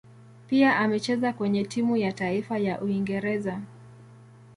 Pia amecheza kwenye timu ya taifa ya Uingereza.